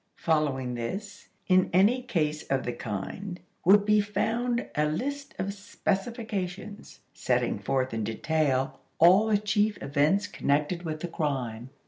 Following this, in any case of the kind, would be found a list of "specifications," setting forth in detail, all the chief events connected with the crime.